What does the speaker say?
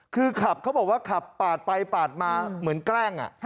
คือขับเขาบอกว่าขับปาดไปปาดมาเหมือนแกล้ง